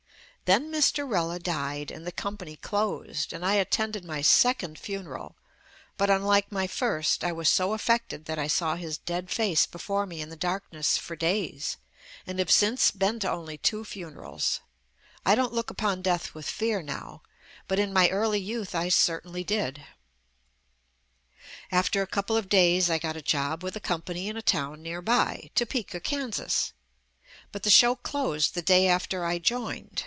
Then Mr. Rella died, and the company closed, and I at tended my second funeral, but unlike my first, I was so affected that I saw his dead face be fore me in the darkness for days, and have since been to only two funerals. I don't look upon death with fear now, but in my early youth I certainly did. JUST ME After a couple of days I got a job with a company in a town nearby — Topeka, Kansas. But the show closed the day after I joined.